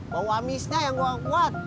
bau amisnya yang gue enggak kuat